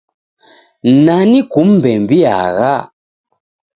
Nani kum'beng'iagha?